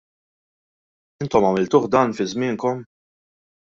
Intom għamiltuh dan fi żmienkom?